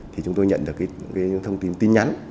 thì chúng tôi nhận được những thông tin tin nhắn